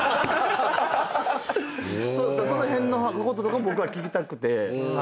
その辺のこととかも僕は聞きたくて。